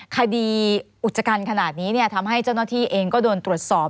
คดีอุจจกรรมขนาดนี้ทำให้เจ้าหน้าที่เองก็โดนตรวจสอบ